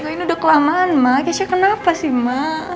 ini udah kelamaan ma keisha kenapa sih ma